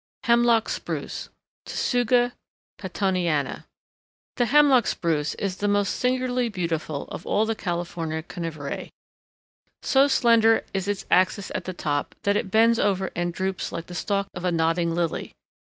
HEMLOCK SPRUCE (Tsuga Pattoniana) The Hemlock Spruce is the most singularly beautiful of all the California coniferae. So slender is its axis at the top, that it bends over and droops like the stalk of a nodding lily.